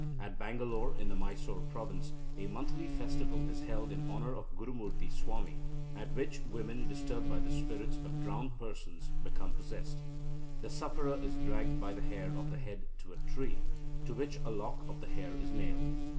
At Bangalore in the Mysore province, a monthly festival is held in honour of Gurumurthi Swami, at which women disturbed by the spirits of drowned persons become possessed. The sufferer is dragged by the hair of the head to a tree, to which a lock of the hair is nailed.